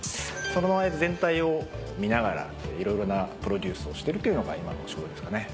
その前で全体を見ながらいろいろなプロデュースをしてるっていうのが今のお仕事ですかね。